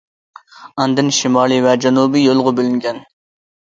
ئاندىن شىمالىي ۋە جەنۇبىي يولغا بۆلۈنگەن.